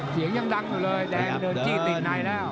เสียงยังดังอยู่เลยแดงเดินจี้ติดในแล้ว